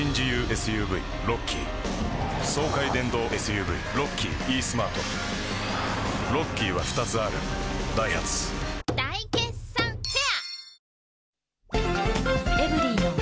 ＳＵＶロッキー爽快電動ＳＵＶロッキーイースマートロッキーは２つあるダイハツ大決算フェア